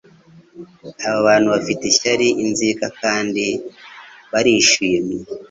aba bantu bafite ishyari inzika kandi barishimye